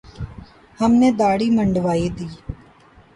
ہم نے دھاڑی منڈوادی